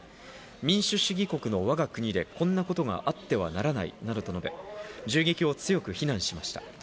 民主主義国の我が国でこんなことがあってはいけないなどと銃撃を強く非難しました。